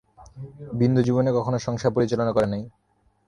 বিন্দু জীবনে কখনো সংসার পরিচালনা করে নাই।